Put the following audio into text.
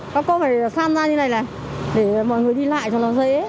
có phải san ra như này này để mọi người đi lại cho nó dễ